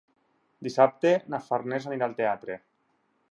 Dissabte na Farners anirà al teatre.